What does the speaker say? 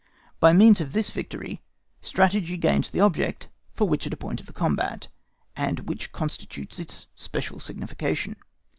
By means of this victory strategy gains the object for which it appointed the combat, and which constitutes its special signification.